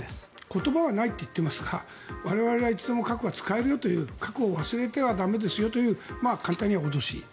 言葉はないと言っていますが我々はいつでも核は使えるよという核を忘れては駄目ですよという簡単に言えば脅し。